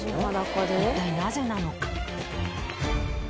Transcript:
一体なぜなのか？